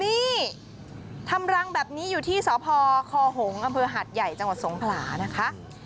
นี่ทำรังแบบนี้อยู่ที่สพคหงษ์อำเภอหัดใหญ่จังหวัดสงขลานะคะ